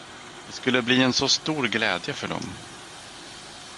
Det skulle bli en så stor glädje för dem.